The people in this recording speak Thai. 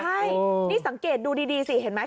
ใช่นี่สังเกตดูดีสิเห็นไหม